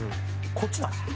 こっちなんすよ。